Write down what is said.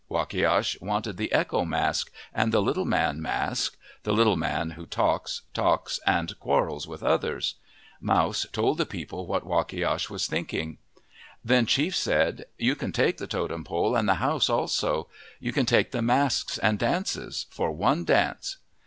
Wakiash wanted the Echo mask, and the Little Man mask, the little man who talks, talks, and quarrels with others. Mouse told the people what Wakiash was thinking. Then Chief said, " You can take the totem pole and the house also. You can take the masks and dances, for one dance."